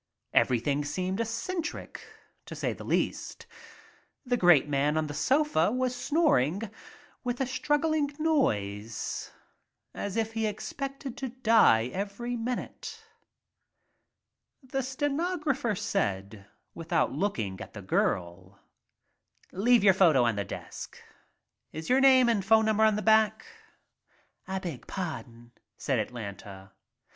Everything seemed eccentric, to say the least. The great man on the sofa was snoring with a struggling noise as if he expected to die every minute. The stenographer said, without looking at the girl, • "Leave your photos on the desk and phone number on the back?" is your name GIRL WHO WANTED WORK 77 "I beg pardon," said Atlanta.